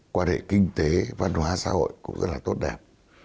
quan hệ kinh tế văn hóa xã hội cũng rất là tốt đẹp